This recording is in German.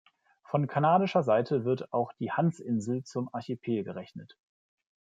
Von kanadischer Seite wird auch die Hans-Insel zum Archipel gerechnet.